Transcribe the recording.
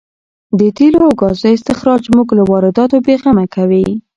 د تېلو او ګازو استخراج موږ له وارداتو بې غمه کوي.